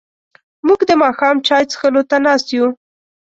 موږ د ماښام چای څښلو ته ناست یو.